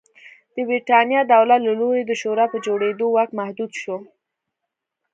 د برېټانیا دولت له لوري د شورا په جوړېدو واک محدود شو.